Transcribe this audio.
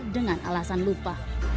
dengan alasan lupa